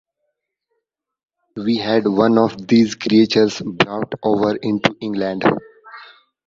We had one of these creatures brought over into England.